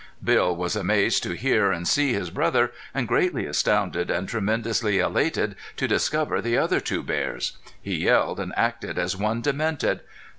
Bill was amazed to hear and see his brother, and greatly astounded and tremendously elated to discover the other two bears. He yelled and acted as one demented.